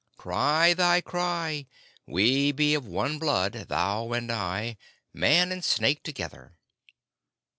"Cry thy cry. We be of one blood, thou and I man and snake together."